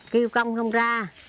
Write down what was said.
kêu công không ra